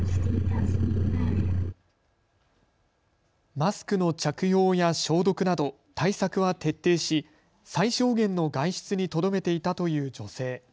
マスクの着用や消毒など対策は徹底し最小限の外出にとどめていたという女性。